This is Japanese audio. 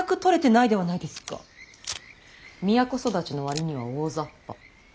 都育ちの割には大ざっぱ。